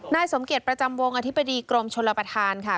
นายสมเกียจประจำวงอธิบดีกรมชลประธานค่ะ